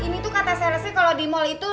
ini tuh kata salesnya kalau di mal itu